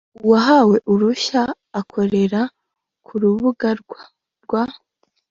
uwahawe uruhushya akorera ku rubuga rwa